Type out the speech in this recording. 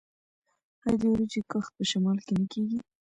آیا د وریجو کښت په شمال کې نه کیږي؟